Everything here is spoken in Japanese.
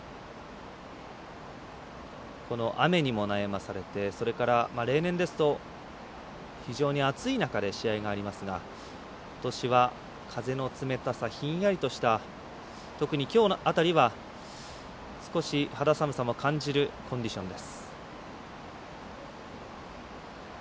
この雨にも悩まされてそれから、例年ですと非常に暑い中で試合がありますがことしは、風の冷たさひんやりとした特にきょうの辺りは少し肌寒さを感じるコンディションです。